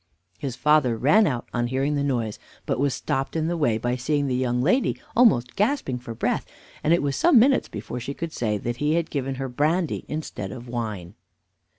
His father ran out on hearing the noise, but was stopped in the way by seeing the young lady almost gasping for breath, and it was some minutes before she could say that he had given her brandy instead of wine.